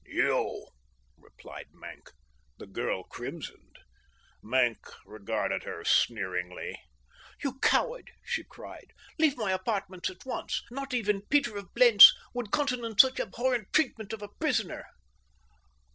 "You," replied Maenck. The girl crimsoned. Maenck regarded her sneeringly. "You coward!" she cried. "Leave my apartments at once. Not even Peter of Blentz would countenance such abhorrent treatment of a prisoner."